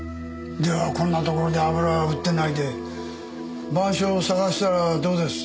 じゃあこんなところで油を売ってないで『晩鐘』を探したらどうです？